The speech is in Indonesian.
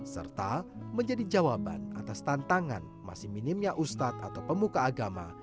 serta menjadi jawaban atas tantangan masih minimnya ustadz atau pemuka agama